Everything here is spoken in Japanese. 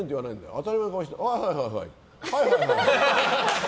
当たり前の顔してはいはいはいって。